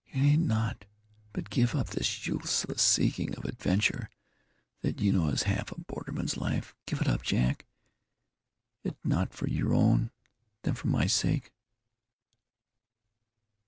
"You need not; but give up this useless seeking of adventure. That, you know, is half a borderman's life. Give it up, Jack, it not for your own, then for my sake."